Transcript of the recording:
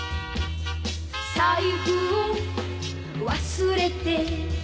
「財布を忘れて」